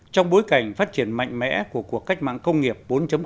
trong bối cảnh phát triển mạnh mẽ của cuộc cách mạng công nghiệp bốn